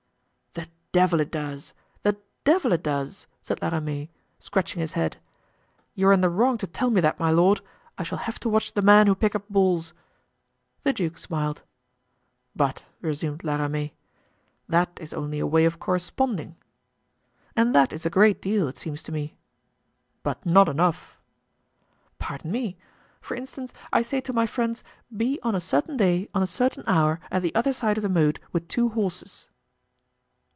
"The devil it does! The devil it does!" said La Ramee, scratching his head; "you are in the wrong to tell me that, my lord. I shall have to watch the men who pick up balls." The duke smiled. "But," resumed La Ramee, "that is only a way of corresponding." "And that is a great deal, it seems to me." "But not enough." "Pardon me; for instance, I say to my friends, Be on a certain day, on a certain hour, at the other side of the moat with two horses."